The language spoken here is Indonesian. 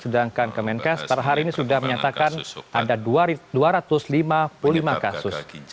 sedangkan kemenkes per hari ini sudah menyatakan ada dua ratus lima puluh lima kasus